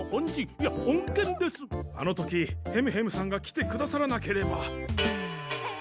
あの時ヘムヘムさんが来てくださらなければ。